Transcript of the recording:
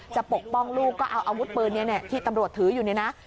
ปกป้องลูกก็เอาอาวุธปืนที่ตำรวจถืออยู่เนี่ยนะ